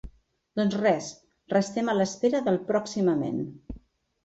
Doncs res, restem a l’espera del “pròximament”.